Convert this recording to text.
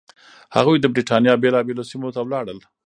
هغوی د برېټانیا بېلابېلو سیمو ته لاړل.